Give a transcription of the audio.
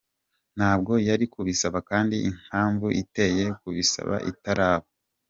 Ntabwo yari kubisaba kandi impamvu iyiteye kubisaba itaraba.